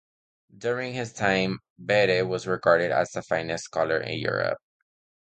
During his time, Bede was regarded as the finest scholar in Europe.